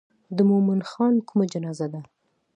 د مومن خان کومه جنازه ده.